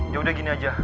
yaudah gini aja